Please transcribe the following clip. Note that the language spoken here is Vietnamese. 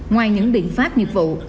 ngoài những biện pháp nghiệp vụ